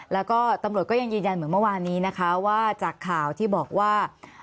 แล้วก็ตำรวจก็ยังยืนยันเหมือนเมื่อวานนี้นะคะว่าจากข่าวที่บอกว่า